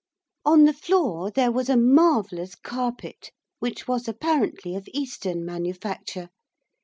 On the floor there was a marvellous carpet which was apparently of eastern manufacture.